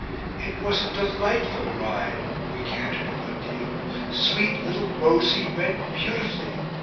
"It was a DELIGHTFUL ride. We cantered a good deal. SWEET LITTLE ROSY WENT BEAUTIFULLY!!